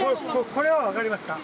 これは、分かりました。